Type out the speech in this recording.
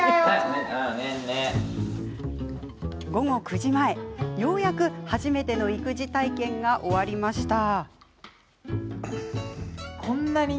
午後９時前、ようやく初めての育児体験が終わりました。